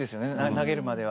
投げるまでは。